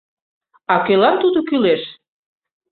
А кӧлан тудо кӱлеш?